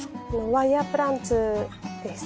ワイヤープランツです。